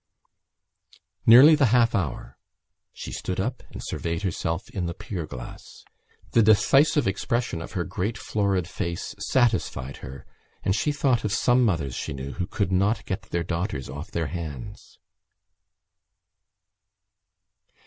Nearly the half hour! She stood up and surveyed herself in the pier glass. The decisive expression of her great florid face satisfied her and she thought of some mothers she knew who could not get their daughters off their hands.